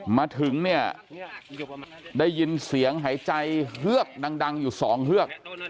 มาถึงเนี่ยได้ยินเสียงหายใจเฮือกดังอยู่สองเฮือก